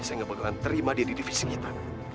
saya nggak bakalan terima dia di divisi kita